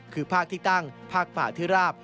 คือภาคที่ตั้งภาคป่าที่ราบ